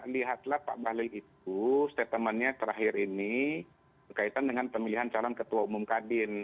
lihatlah pak bahlil itu statementnya terakhir ini berkaitan dengan pemilihan calon ketua umum kadin